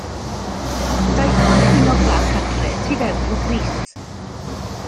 Daeth o â'r llwynog bach adre y tu fewn i'w grys.